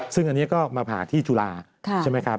ซึ่งอันนี้ก็มาผ่าที่จุฬาใช่ไหมครับ